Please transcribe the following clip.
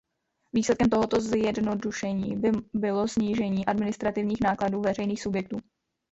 Výsledkem tohoto zjednodušení by bylo snížení administrativních nákladů veřejných subjektů.